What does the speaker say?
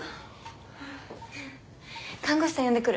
看護師さん呼んでくる。